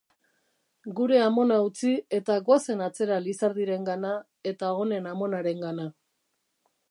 Gure amona utzi eta goazen atzera Lizardirengana, eta honen amonarengana.